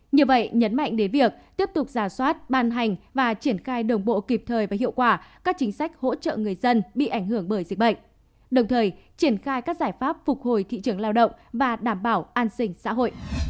như vậy nhấn mạnh đến việc tiếp tục giả soát ban hành và triển khai đồng bộ kịp thời và hiệu quả các chính sách hỗ trợ người dân bị ảnh hưởng bởi dịch bệnh đồng thời triển khai các giải pháp phục hồi thị trường lao động và đảm bảo an sinh xã hội